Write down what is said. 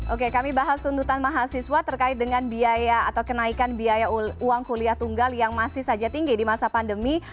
oke kami bahas tuntutan mahasiswa terkait dengan biaya atau kenaikan biaya uang kuliah tunggal yang masih saja tinggi di masa pandemi